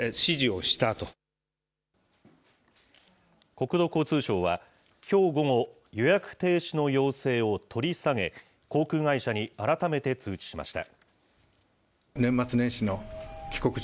国土交通省は、きょう午後、予約停止の要請を取り下げ、航空会社に改めて通知しました。